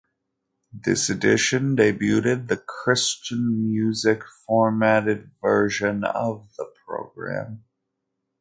This addition debuted the Christian Music formatted version of the program.